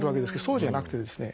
そうじゃなくてですね